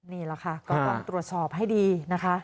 นี่แหละค่ะก็ต้องตรวจสอบให้ดีนะคะ